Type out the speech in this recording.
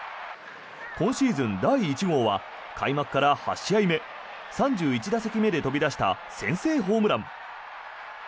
今シーズン第１号は開幕から８試合目３１打席目で飛び出した先制ホームラン。